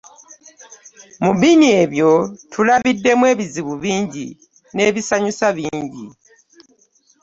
Mu bini ebyo tulabiddemu ebizibu bingi n'ebisanyusa bingi.